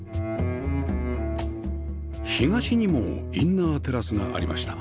東にもインナーテラスがありました